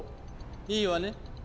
いいわね？